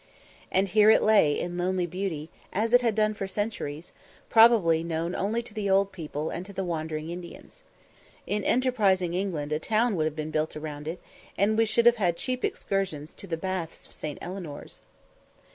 And here it lay in lonely beauty, as it had done for centuries, probably known only to the old people and to the wandering Indians. In enterprising England a town would have been built round it, and we should have had cheap excursions to the "Baths of St. Eleanor's."